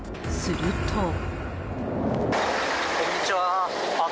すると。